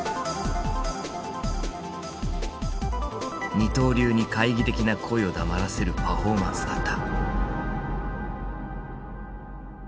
二刀流に懐疑的な声を黙らせるパフォーマンスだった。